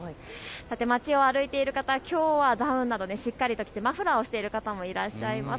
街を歩いている方、きょうはダウンなどしっかりと着てマフラーをしている方もいらっしゃいます。